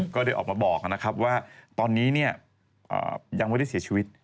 ก็ได้ออกมาบอกนะครับว่าตอนนี้ยังไม่ได้เสียชีวิต